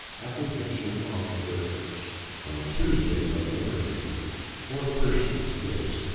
APPREHENSION OF THE BURKERS. On Tuesday, November 8th, four persons, viz.